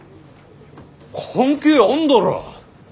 関係あんだろ！